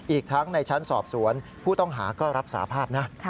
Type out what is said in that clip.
อีกทั้งในชั้นสอบสวนผู้ต้องหาก็รับสาภาพนะ